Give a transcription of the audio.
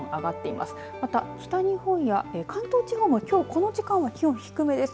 また北日本や関東地方もきょうこの時間は気温低めです。